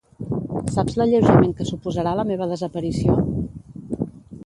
Saps l'alleujament que suposarà la meva desaparició?